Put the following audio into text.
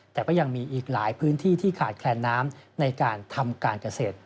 แต่ก็ยังมีอีกหลายพื้นที่ที่ขาดแคลนน้ำในการทำการเกษตร